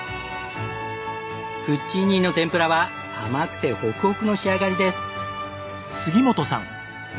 プッチィーニの天ぷらは甘くてホクホクの仕上がりです。